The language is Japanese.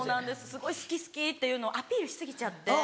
すごい好き好きっていうのをアピールし過ぎちゃって。